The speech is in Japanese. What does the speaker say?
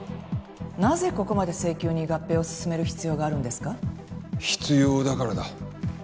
なぜここまで性急に合併を進める必要必要だからだ。